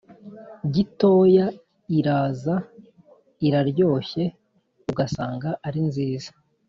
gitoya iraza, iraryoshye ugasanga ari nziza;